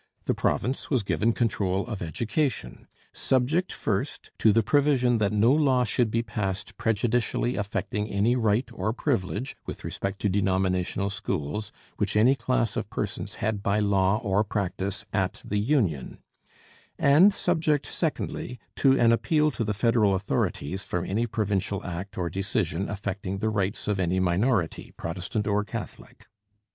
The province was given control of education, subject, first, to the provision that no law should be passed prejudicially affecting any right or privilege, with respect to denominational schools, which any class of persons had by law or practice at the union, and subject, secondly, to an appeal to the federal authorities from any provincial act or decision affecting the rights of any minority, Protestant or Catholic.